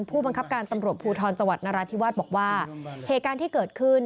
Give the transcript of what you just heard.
ผู้บังคับการตำรวจภูทรจังหวัดนราธิวาสบอกว่าเหตุการณ์ที่เกิดขึ้น